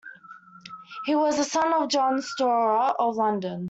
He was the son of John Storer of London.